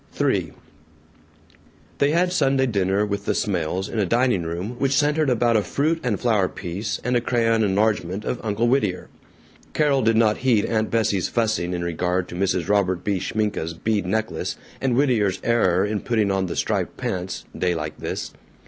III They had Sunday dinner with the Smails, in a dining room which centered about a fruit and flower piece and a crayon enlargement of Uncle Whittier. Carol did not heed Aunt Bessie's fussing in regard to Mrs. Robert B. Schminke's bead necklace and Whittier's error in putting on the striped pants, day like this.